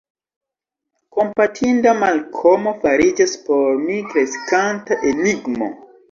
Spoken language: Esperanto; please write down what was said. Kompatinda Malkomo fariĝas por mi kreskanta enigmo.